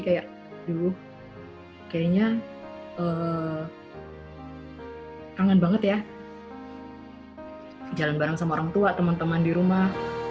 kayak dulu kayaknya eh kangen banget ya jalan bareng sama orang tua teman teman di rumah empat puluh dua